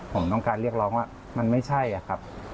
ผมต้องการเรียกร้องว่ามันไม่ใช่อะครับ